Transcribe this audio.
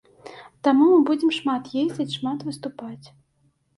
Таму мы будзем шмат ездзіць, шмат выступаць.